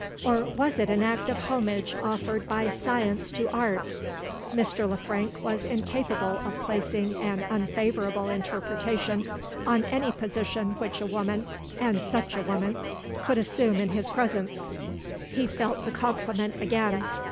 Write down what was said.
Or was it an act of homage offered by Science to Art? Mr. Le Frank was incapable of placing an unfavourable interpretation on any position which a woman and such a woman could assume in his presence. He felt the compliment again.